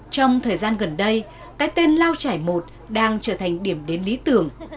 trong thời gian gần đây cái tên lao trải một đang trở thành điểm đến lý tưởng